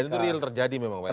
dan itu real terjadi memang pak ya